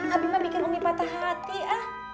abi mah bikin umi patah hati ah